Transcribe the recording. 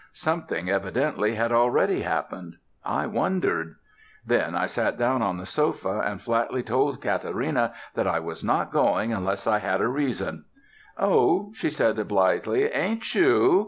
Something, evidently, had already happened. I wondered.... Then I sat down on the sofa, and flatly told Katarina that I was not going unless I had a reason. "Oh," she said, blithely, "ain't you?